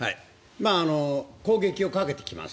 攻撃をかけてきます。